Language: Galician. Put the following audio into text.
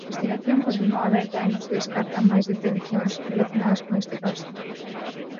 A investigación continúa aberta e non se descartan máis detencións relacionadas con este caso.